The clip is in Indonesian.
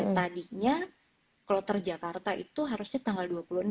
tadinya kloter jakarta itu harusnya tanggal dua puluh enam